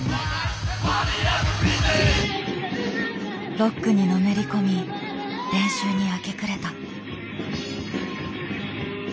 ロックにのめり込み練習に明け暮れた。